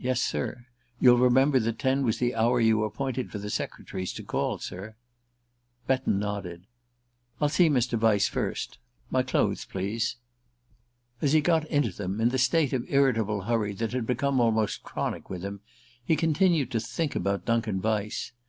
"Yes, sir. You'll remember that ten was the hour you appointed for the secretaries to call, sir." Betton nodded. "I'll see Mr. Vyse first. My clothes, please." As he got into them, in the state of irritable hurry that had become almost chronic with him, he continued to think about Duncan Vyse.